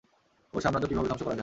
ওর সাম্রাজ্য কীভাবে ধ্বংস করা যায়?